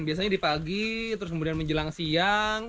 biasanya di pagi terus kemudian menjelang siang